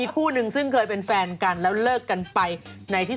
ผู้หญิงเขาได้โทรศัพท์ไป